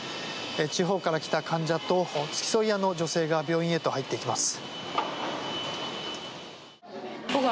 地方から来た患者と付き添い屋の女性が病院へと入っていきます。